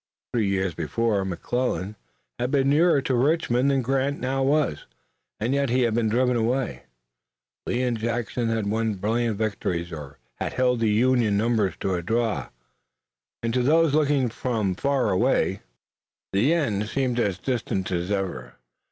Three years before, McClellan had been nearer to Richmond than Grant now was, and yet he had been driven away. Lee and Jackson had won brilliant victories or had held the Union numbers to a draw, and to those looking from far away the end seemed as distant as ever.